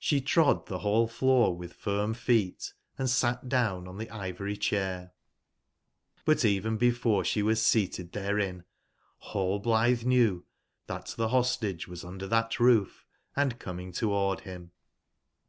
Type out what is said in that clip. She trod the hall/floor with firm feet, and sat down on the ivory chair. But even before she was seated therein Rallblithe knew that the Hostage was under that roof and coming toward him.